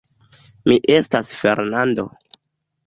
Mi estas Fernando.